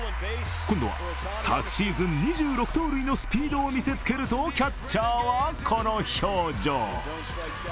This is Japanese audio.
今度は昨シーズン２６盗塁のスピードを見せつけるとキャッチャーはこの表情。